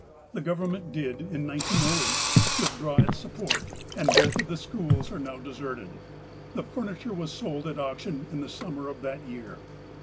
The Government did, in 1908, withdraw its support, and both of the schools are now deserted. The furniture was sold at auction in the summer of that year.